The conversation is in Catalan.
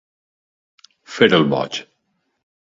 Fer el boig.